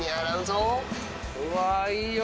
うわいいよ！